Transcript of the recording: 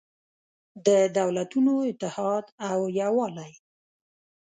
د دولتونو اتحاد او یووالی